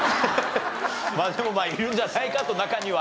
でもまあいるんじゃないかと中には。